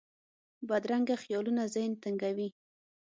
بدرنګه خیالونه ذهن تنګوي